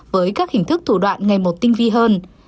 với các hình thức thủ đoạn ngày một tinh vi hơn